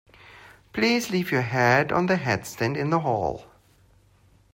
Please leave your hat on the hatstand in the hall